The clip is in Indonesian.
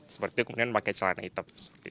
seperti kemudian pakai celana hitam